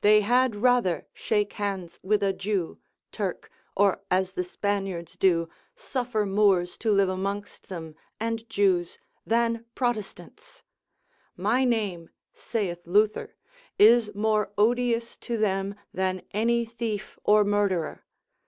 They had rather shake hands with a Jew, Turk, or, as the Spaniards do, suffer Moors to live amongst them, and Jews, than Protestants; my name (saith Luther) is more odious to them than any thief or murderer.